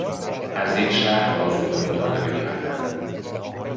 از یک شهر آذوقه مطالبه کردن